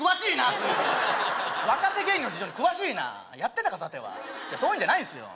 随分若手芸人の事情に詳しいなやってたかさてはそういうんじゃないっすよ